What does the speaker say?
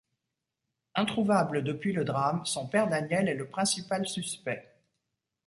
Introuvable depuis le drame, son père Daniel est le principal suspect.